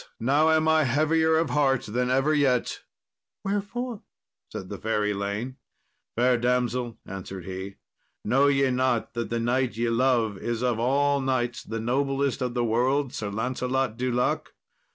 now am I heavier of heart than ever yet." "Wherefore?" said fair Elaine. "Fair damsel," answered he, "know ye not that the knight ye love is of all knights the noblest in the world, Sir Lancelot du Lake?